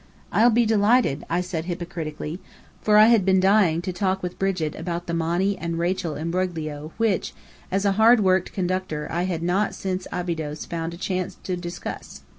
"I'll be delighted," I said hypocritically, for I had been dying to talk with Brigit about the Monny and Rachel imbroglio which, as a hard worked Conductor, I had not since Abydos found a chance to discuss.